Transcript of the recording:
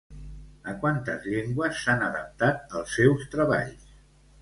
A quantes llengües s'han adaptat els seus treballs?